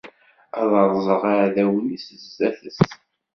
Ad rẓeɣ iɛdawen-is sdat-s.